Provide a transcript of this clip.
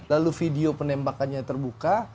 lalu video penembakannya terbuka